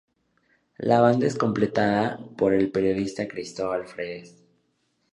La banda es completada por el periodista Cristóbal Fredes.